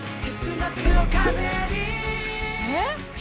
えっ？